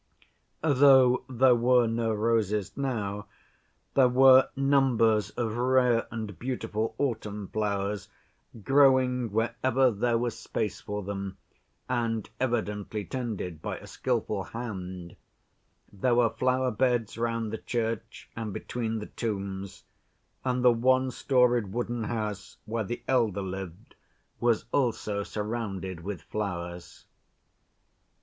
Though there were no roses now, there were numbers of rare and beautiful autumn flowers growing wherever there was space for them, and evidently tended by a skillful hand; there were flower‐beds round the church, and between the tombs; and the one‐storied wooden house where the elder lived was also surrounded with flowers.